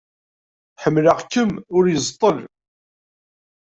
Ḥemmleɣ-kem ul yeẓṭel.